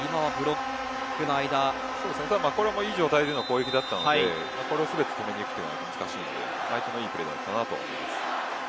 これもいい状態での攻撃だったのでこれを全て止めにいくというのは難しいので相手のいいプレーだと思います。